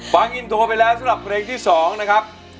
ฟังอินโทรไปแล้วสำหรับเพลงที่๒นะครับ